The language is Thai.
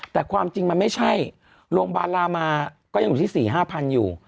แต่ความจริงมันไม่ใช่โรงพยาบาลรามาก็ยังอยู่ที่๔๕๐๐อยู่